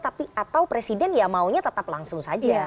atau presiden ya maunya tetap langsung saja